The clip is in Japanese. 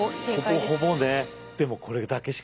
ほぼほぼね。